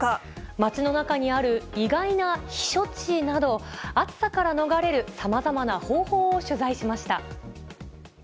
街の中にある意外な避暑地など、暑さから逃れるさまざまな方法を取材しました。